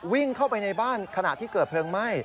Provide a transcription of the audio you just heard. วิ่งเข้าไปในบ้านขณะที่เกิดเพลิงไหม้